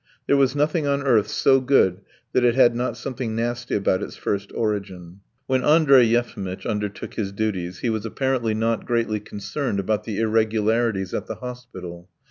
There was nothing on earth so good that it had not something nasty about its first origin. When Andrey Yefimitch undertook his duties he was apparently not greatly concerned about the irregularities at the hospital.